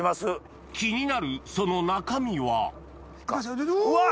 気になるその中身は？うわ！